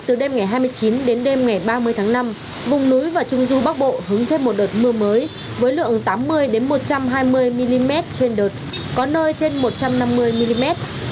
từ đêm ngày hai mươi chín đến đêm ngày ba mươi tháng năm vùng núi và trung du bắc bộ hướng thêm một đợt mưa mới với lượng tám mươi một trăm hai mươi mm trên đợt có nơi trên một trăm năm mươi mm